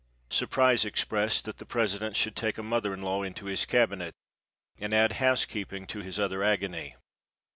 SURPRISE EXPRESSED THAT THE PRESIDENT SHOULD TAKE A MOTHER IN LAW INTO HIS CABINET AND ADD HOUSEKEEPING TO HIS OTHER AGONY.